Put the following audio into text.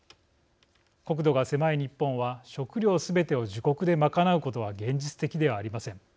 国土が狭い日本は食料すべてを自国で賄うことは現実的ではありません。